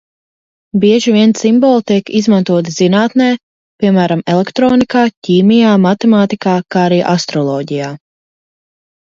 Bieži vien simboli tiek izmantoti zinātnē, piemēram, elektronikā, ķīmijā, matemātikā, kā arī astroloģijā.